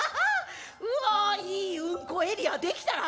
うわいいうんこエリアできたな。